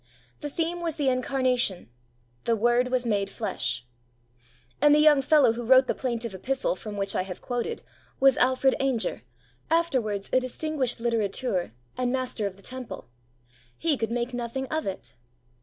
The theme was the Incarnation 'The Word was made flesh.' And the young fellow who wrote the plaintive epistle from which I have quoted was Alfred Ainger, afterwards a distinguished litterateur and Master of the Temple. He could make nothing of it.